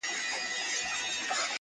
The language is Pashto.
o نن دي بیا سترګو کي رنګ د میکدو دی,